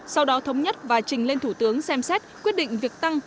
sau đó thống nhất và trình lên thủ tướng xem xét quyết định việc tăng